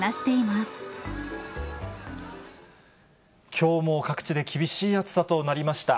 きょうも各地で厳しい暑さとなりました。